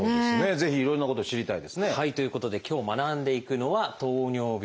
ぜひいろんなことを知りたいですね。ということで今日学んでいくのは「糖尿病」。